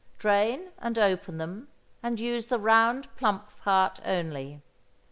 Drain and open them, and use the round plump part only.